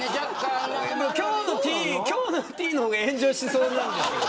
今日のティーンの方が炎上しそうなんですけど。